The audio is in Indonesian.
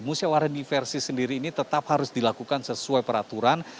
musyawarah diversi sendiri ini tetap harus dilakukan sesuai peraturan